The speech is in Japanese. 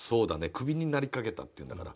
クビになりかけたっていうんだから。